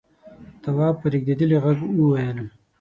تواب په رېږدېدلي غږ وويل: